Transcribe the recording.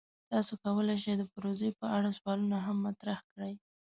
تاسو کولی شئ د پروژې په اړه سوالونه هم مطرح کړئ.